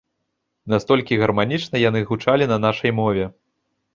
Настолькі гарманічна яны гучалі на нашай мове.